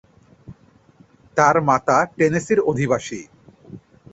তার মাতা টেনেসির অধিবাসী।